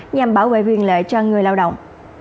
nhằm bảo vệ viên lợi cho người lao động